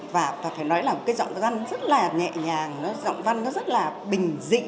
và phải nói là cái giọng văn rất là nhẹ nhàng giọng văn nó rất là bình dị